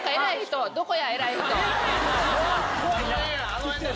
あの辺や。